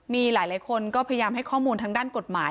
มีหลายคนก็พยายามให้ข้อมูลทางด้านกฎหมาย